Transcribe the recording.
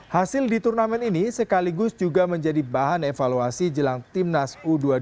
hasil di turnamen ini sekaligus juga menjadi bahan evaluasi jelang timnas u dua puluh dua